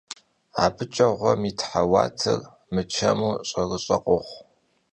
Abıç'e ğuem yit heuar mıçemu ş'erış'e khoxhu.